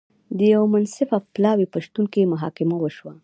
د یوه منصفه پلاوي په شتون کې محاکمه وشوه.